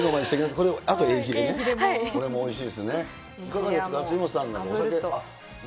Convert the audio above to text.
これもおいしいですね。